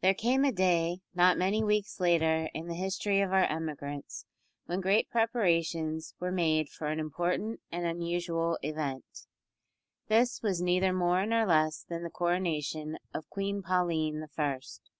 There came a day, not many weeks later in the history of our emigrants, when great preparations were made for an important and unusual event. This was neither more nor less than the coronation of Queen Pauline the First.